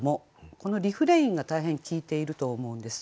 このリフレインが大変効いていると思うんです。